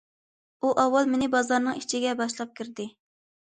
ئۇ ئاۋۋال مېنى بازارنىڭ ئىچىگە باشلاپ كىردى.